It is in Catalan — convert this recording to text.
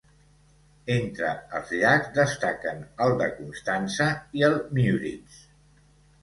Entre els llacs destaquen el de Constanza i el Müritz.